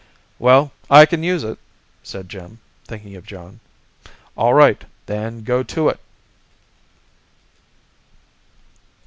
"Well, I can use it!" said Jim, thinking of Joan. "All right. Then go to it!"